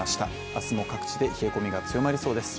明日も各地で冷え込みが強まりそうです。